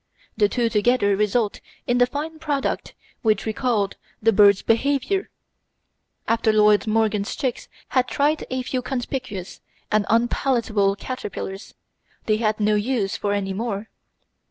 The two together result in the fine product which we call the bird's behaviour. After Lloyd Morgan's chicks had tried a few conspicuous and unpalatable caterpillars, they had no use for any more.